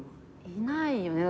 いないよね。